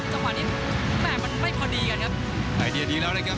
จังหวะนี้แม่มันไม่พอดีกันครับไอเดียดีแล้วนะครับ